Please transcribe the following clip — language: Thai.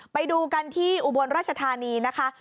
ไปดูกันที่อุบลราชธานีนะคะ